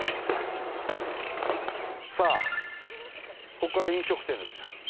さあここから飲食店ですよ。